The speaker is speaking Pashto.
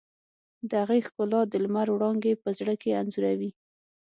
د هغې ښکلا د لمر وړانګې په زړه کې انځوروي.